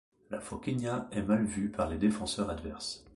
La foquinha est mal vue par les défenseurs adverses.